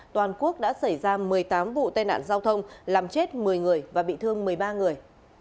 toàn quốc đã xảy ra một mươi tám vụ tai nạn giao thông làm chết một mươi người và bị thương một mươi ba người